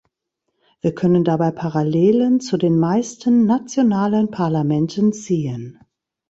Wir können dabei Parallelen zu den meisten nationalen Parlamenten ziehen.